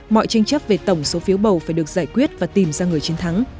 mọi tranh chấp về tổng số phiếu bầu phải được giải quyết và tìm ra người chiến thắng